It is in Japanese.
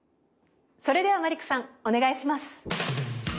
それではマリックさんお願いします！